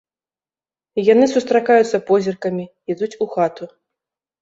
Яны сустракаюцца позіркамі, ідуць у хату.